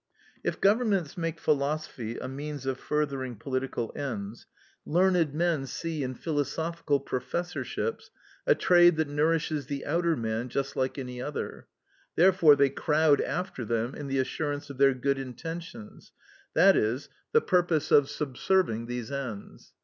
If Governments make philosophy a means of furthering political ends, learned men see in philosophical professorships a trade that nourishes the outer man just like any other; therefore they crowd after them in the assurance of their good intentions, that is, the purpose of subserving these ends.